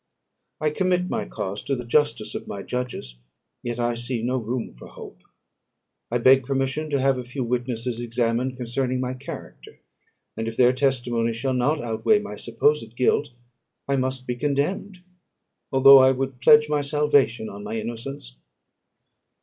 "I commit my cause to the justice of my judges, yet I see no room for hope. I beg permission to have a few witnesses examined concerning my character; and if their testimony shall not overweigh my supposed guilt, I must be condemned, although I would pledge my salvation on my innocence."